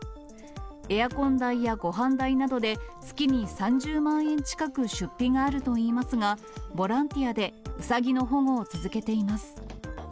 エアコン代やごはん代などで月に３０万円近く出費があるといいますが、ボランティアでうさぎの保護を続けています。